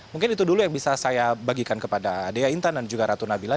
mungkin itu dulu yang bisa saya bagikan kepada dea intan dan juga ratu nabila